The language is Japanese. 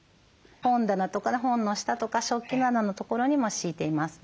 本棚とか本の下とか食器棚のところにも敷いています。